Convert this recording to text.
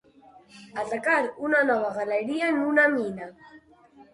Atacar una nova galeria en una mina.